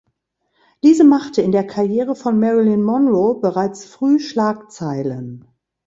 Diese machte in der Karriere von Marilyn Monroe bereits früh Schlagzeilen.